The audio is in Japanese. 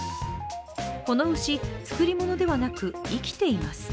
この牛、作り物ではなく生きています。